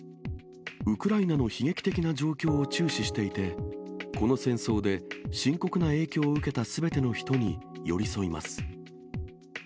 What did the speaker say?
ウクライナの悲劇的な状況を注視していて、この戦争で深刻な影響を受けたすべての人に寄り添います。